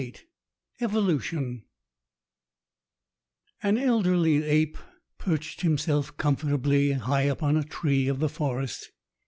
XIII EVOLUTION AN elderly ape perched himself comfortably high up on a tree of the forest.